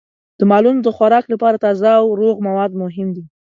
د مالونو د خوراک لپاره تازه او روغ مواد مهم دي.